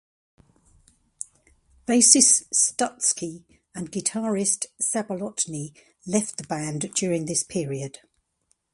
Bassist Stutsky and guitarist Zabolotney left the band during this period.